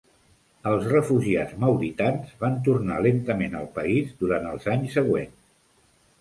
Els refugiats mauritans van tornar lentament al país durant els anys següents.